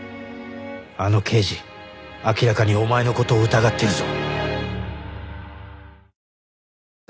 あの刑事明らかにお前の事を疑ってるぞ